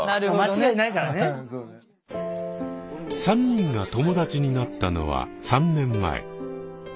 ３人が友達になったのは３年前。